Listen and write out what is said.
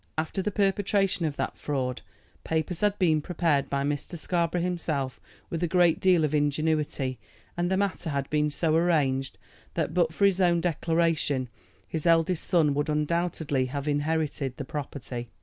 After the perpetration of that fraud papers had been prepared by Mr. Scarborough himself with a great deal of ingenuity, and the matter had been so arranged that, but for his own declaration, his eldest son would undoubtedly have inherited the property.